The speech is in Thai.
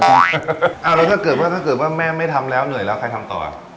ถ้าเกิดว่าแม่ไม่ทำแล้วเหนื่อยแล้วใครทำต่อ